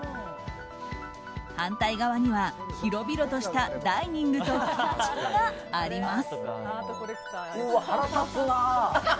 反対側には広々としたダイニングとキッチンがあります。